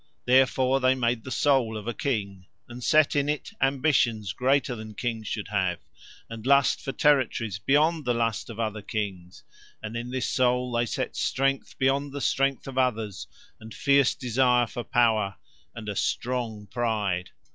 Therefore They made the soul of a king, and set in it ambitions greater than kings should have, and lust for territories beyond the lust of other kings, and in this soul They set strength beyond the strength of others and fierce desire for power and a strong pride.